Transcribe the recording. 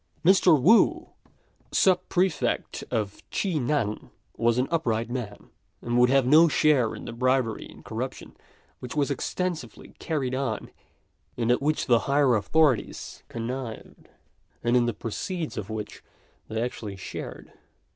Mr. Wu, Sub prefect of Chi nan, was an upright man, and would have no share in the bribery and corruption which was extensively carried on, and at which the higher authorities connived, and in the proceeds of which they actually shared.